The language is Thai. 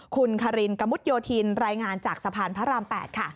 คุณคารินกะมุดโยธินรายงานจากสะพานพระราม๘ค่ะ